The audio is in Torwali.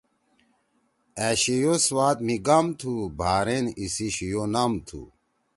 أ شِیو سوات مھی گام تُھو۔ بحرین اِسی شِیو نام تُھو۔